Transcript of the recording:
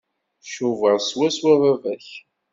Tcubaḍ swaswa baba-k.